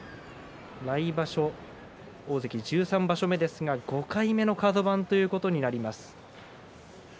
来場所、大関１３場所目ですが５回目のカド番ということになります。